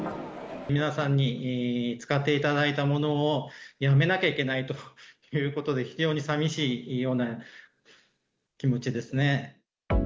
皆さんに使っていただいたものをやめなきゃいけないということで、非常にさみしいような気持ちですね。